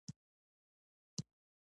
د بښنې غوښتنه د زړه تسکین دی.